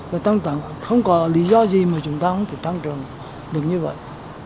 không có lý do gì mà chúng ta không thể tăng trưởng được như vậy